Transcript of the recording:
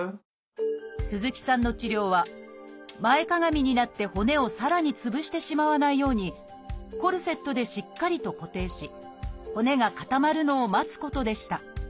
鈴木さんの治療は前かがみになって骨をさらにつぶしてしまわないようにコルセットでしっかりと固定し骨が固まるのを待つことでした。